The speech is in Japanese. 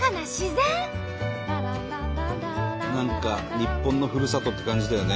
何か日本のふるさとって感じだよね。